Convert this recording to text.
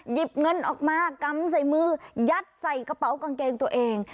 หยิบเงินออกมากำใส่มือยัดใส่กระเป๋ากางเกงตัวเอง